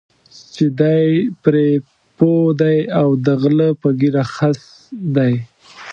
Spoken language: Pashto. چې دی پرې پوه دی او د غله په ږیره خس دی.